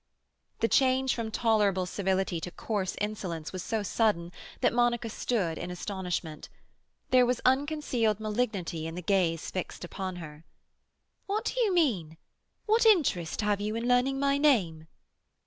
The change from tolerable civility to coarse insolence was so sudden that Monica stood in astonishment. There was unconcealed malignity in the gaze fixed upon her. "What do you mean? What interest have you in learning my name?"